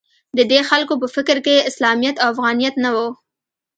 د دې خلکو په فکر کې اسلامیت او افغانیت نه و